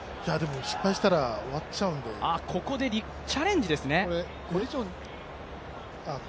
失敗したら終わっちゃうんでここでチャレンジ。